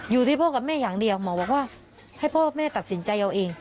อยู่ที่พ่อกับแม่อย่างเดียวหมอบอกว่าให้พ่อแม่ตัดสินใจเอาเอง